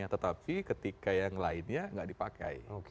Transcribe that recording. tetapi ketika yang lainnya tidak dipakai